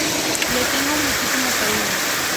Le tengo muchísimo cariño.